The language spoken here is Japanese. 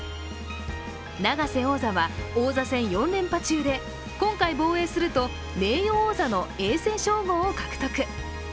永瀬王座は王座戦４連覇中で今回防衛すると、名誉王座の永世称号を獲得。